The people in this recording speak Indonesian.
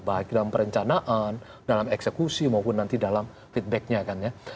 baik dalam perencanaan dalam eksekusi maupun nanti dalam feedbacknya